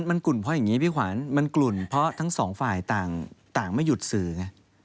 มันกลุ่นเพราะอย่างนี้พี่ขวัญมันกลุ่นเพราะทั้งสองฝ่ายต่างไม่หยุดสื่อไง